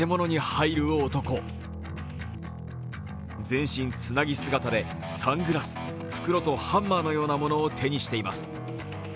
全身つなぎ姿でサングラス、袋とハンマーのようなものを手にしています。